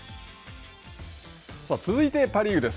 続いてパ・リーグです。